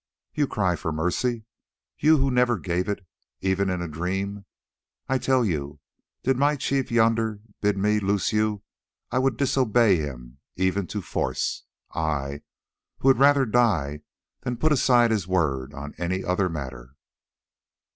you cry for mercy, you who never gave it even in a dream? I tell you, did my chief yonder bid me loose you, I would disobey him even to force; I, who would rather die than put aside his word on any other matter.